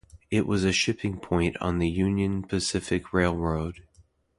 It was a shipping point on the Union Pacific Railroad.